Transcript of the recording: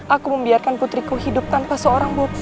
aku membiarkan putriku hidup tanpa seorang bu